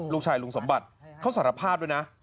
ลุงสมบัติเขาสารภาพด้วยนะ